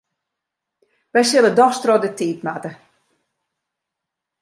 Wy sille dochs troch de tiid moatte.